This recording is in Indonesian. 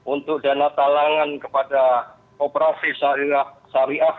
untuk dana talangan kepada operasi syariah dua ratus dua belas